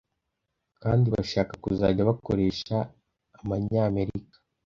kandi bashaka kuzajya bakoresha amanyamerika